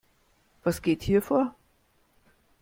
Was geht hier vor?